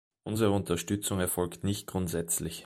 Unsere Unterstützung erfolgt nicht grundsätzlich.